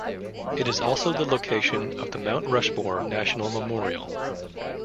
It is also the location of the Mount Rushmore National Memorial.